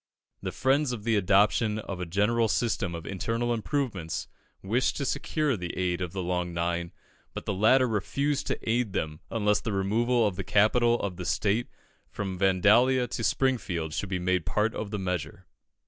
The friends of the adoption of a general system of internal improvements wished to secure the aid of the Long Nine, but the latter refused to aid them unless the removal of the capital of the state from Vandalia to Springfield should be made a part of the measure.